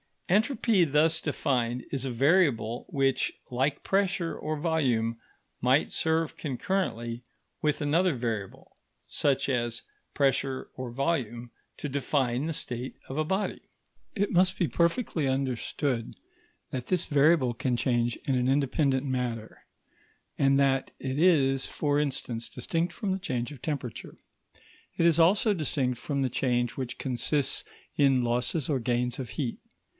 Entropy, thus defined, is a variable which, like pressure or volume, might serve concurrently with another variable, such as pressure or volume, to define the state of a body. It must be perfectly understood that this variable can change in an independent manner, and that it is, for instance, distinct from the change of temperature. It is also distinct from the change which consists in losses or gains of heat.